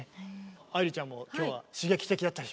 愛理ちゃんも今日は刺激的だったでしょ。